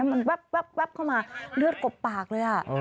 และมันเบบเข้ามาเลือดกบปากเลยอ่ะ